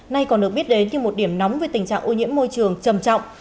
nay còn được biết đến như một điểm nóng về tình trạng ô nhiễm môi trường trầm trọng